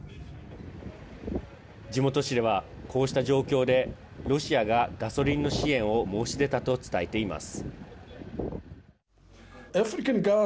地元紙では、こうした状況でロシアが、ガソリンの支援を申し出たと伝えています。